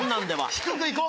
低くいこう。